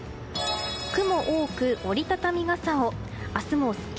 雲多く、折り畳み傘を。